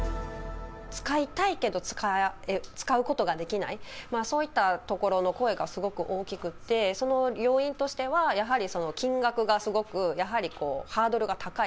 使いたいけど使うことができない、そういったところの声がすごく大きくって、その要因としては、やはり金額がすごく、やはりハードルが高い。